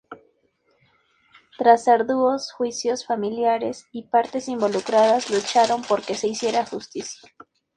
Tras arduos juicios, familiares y partes involucradas lucharon porque se hiciera justicia.